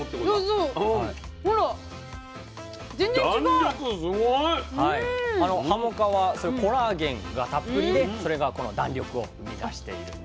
弾力すごい！はも皮コラーゲンがたっぷりでそれがこの弾力を生み出しているんです。